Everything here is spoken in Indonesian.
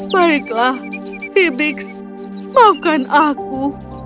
baiklah ibyx maafkan aku